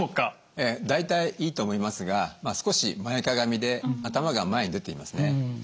ええ大体いいと思いますが少し前かがみで頭が前に出ていますね。